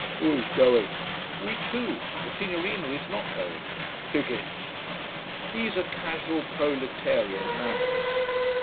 "Who is going?" "We two the signorina is not going." "Tickets!" These are casual proletarian manners.